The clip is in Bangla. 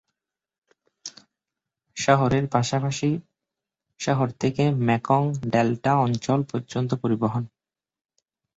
শহরের পাশাপাশি শহর থেকে মেকং ডেল্টা অঞ্চল পর্যন্ত পরিবহন।